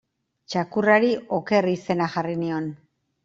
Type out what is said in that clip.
Txakurrari Oker izena jarri nion.